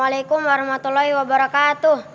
waalaikumsalam warahmatullahi wabarakatuh